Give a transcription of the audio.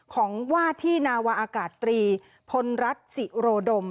ของว่าที่นาวาอากาศตรีพลรัฐศิโรดม